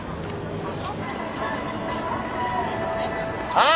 ああ。